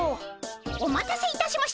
お待たせいたしました。